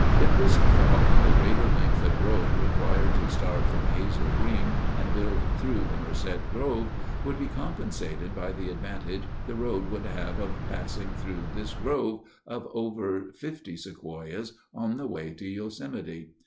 It was thought the greater length of road required to start from Hazel Green and build through the Merced Grove would be compensated by the advantage the road would have of passing through this grove of over 50 Sequoias on the way to Yosemite.